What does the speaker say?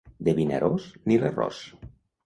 De Vinaròs, ni l'arròs.